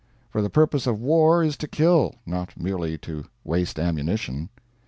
For the purpose of war is to kill, not merely to waste ammunition.